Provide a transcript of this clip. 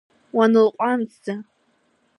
Уанылҟәамҵӡа.